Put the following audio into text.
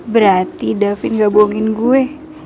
berarti david gak bohongin gue